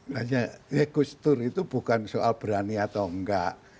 lihatnya rekustur itu bukan soal berani atau enggak